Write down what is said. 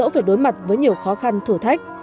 dẫu phải đối mặt với nhiều khó khăn thử thách